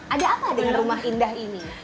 ada apa dengan rumah indah ini